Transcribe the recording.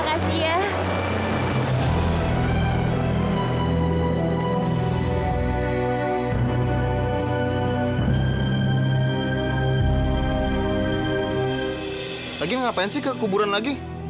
lagi ngapain sih kekuburan lagi